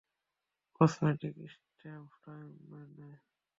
Cosmic space time মেনে।